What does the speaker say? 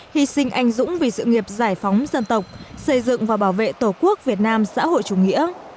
hy sinh anh dũng vì sự nghiệp giải phóng dân tộc xây dựng và bảo vệ tổ quốc việt nam xã hội chủ nghĩa